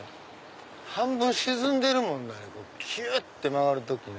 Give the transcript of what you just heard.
半分沈んでるもんキュって曲がる時ね。